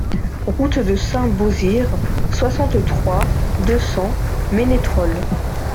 Route de Saint-Beauzire, soixante-trois, deux cents Ménétrol